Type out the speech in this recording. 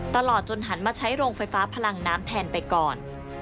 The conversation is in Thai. ตลอดจนหันมาใช้โรงไฟฟ้าพลังน้ำแทนไปก่อน